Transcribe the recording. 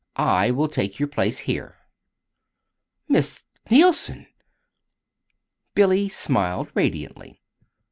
I will take your place here." "Miss Neilson!" Billy smiled radiantly.